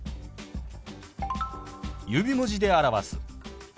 指文字で表す。